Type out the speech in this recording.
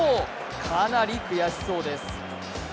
かなり悔しそうです。